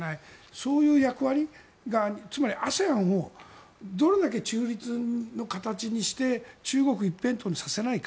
そういう役割がつまりＡＳＥＡＮをどれだけ中立の形にして中国一辺倒にさせないか